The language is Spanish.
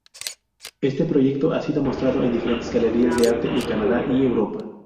Este proyecto ha sido mostrado en diferentes galerías de arte en Canadá y Europa.